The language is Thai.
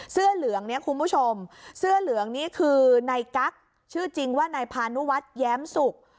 เสื้อเหลืองเนี่ยคุณผู้ชมเสื้อเหลืองนี่คือนายกั๊กชื่อจริงว่านายพานุวัฒน์แย้มสุก